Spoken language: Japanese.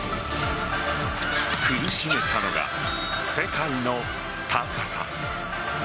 苦しめたのが、世界の高さ。